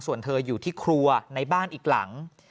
ส่วนเธออยู่ที่ครัวในบ้านอีกหลัง